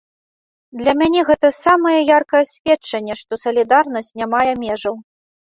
Для мяне гэта самае яркае сведчанне, што салідарнасць не мае межаў.